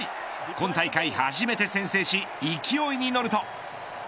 今大会、初めて先制し勢いに乗ると。